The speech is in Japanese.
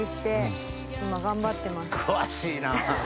詳しいなぁ！